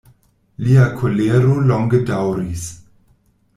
Lia kolero longe daŭris.